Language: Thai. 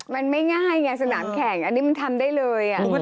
มันไม่ง่ายไงสนามแข่งอันนี้มันทำได้เลย